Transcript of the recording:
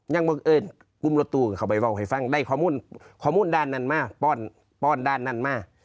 บังเอิญกลุ่มรถตู้เขาไปเล่าให้ฟังได้ข้อมูลข้อมูลด้านนั้นมากป้อนป้อนด้านนั้นมาก